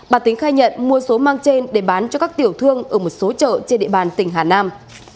bà tính khai nhận mua số măng trên để bán cho các tiểu thương ở một số chợ trên địa bàn tỉnh hà nam